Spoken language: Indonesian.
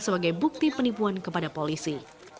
sebagai bukti penipuan kepada polisi